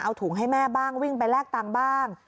เอาถุงให้แม่บ้างวิ่งไปแลกตังค์บ้าง